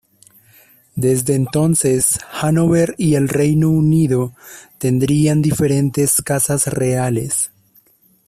Desde entonces, Hannover y el Reino Unido tendrían diferentes casas reales.